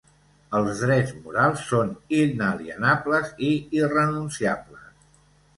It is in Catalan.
Els drets morals són inalienables i irrenunciables.